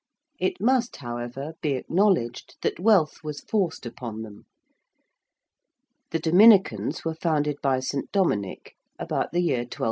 It must, however, be acknowledged that wealth was forced upon them. The Dominicans were founded by St. Dominic about the year 1215.